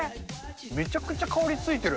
めちゃくちゃ香りついてる。